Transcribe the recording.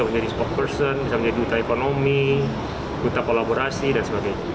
menjadi spokesperson bisa menjadi duta ekonomi duta kolaborasi dan sebagainya peran abang nune